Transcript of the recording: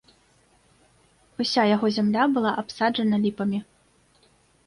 Уся яго зямля была абсаджана ліпамі.